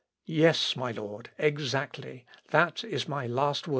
_ "Yes, my lord, exactly. That is my last word."